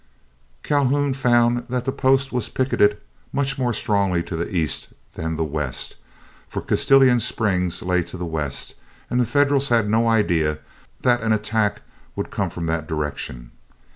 Calhoun found that the post was picketed much more strongly to the east than the west, for Castalian Springs lay to the west, and the Federals had no idea that an attack would come from that direction.